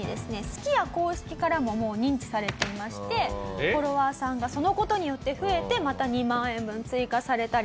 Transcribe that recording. すき家公式からももう認知されていましてフォロワーさんがその事によって増えてまた２万円分追加されたりとですね